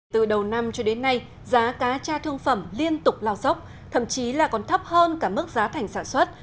từ đầu năm cho đến nay giá cá cha thương phẩm liên tục lao dốc thậm chí là còn thấp hơn cả mức giá thành sản xuất